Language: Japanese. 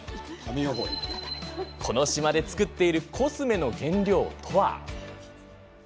この島で作っているコスメの原料とは。